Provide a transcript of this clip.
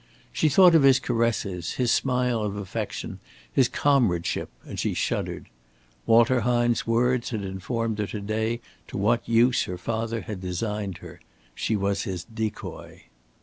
She thought of his caresses, his smile of affection, his comradeship, and she shuddered. Walter Hine's words had informed her to day to what use her father had designed her. She was his decoy.